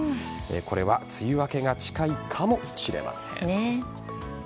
これは梅雨明けが近いかもしれません。